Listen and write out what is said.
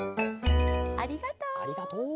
ありがとう。